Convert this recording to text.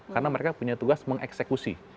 karena mereka punya tugas mengeksekusi